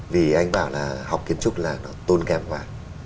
vì anh ấy bảo là học kiến trúc là nó tôn kém quá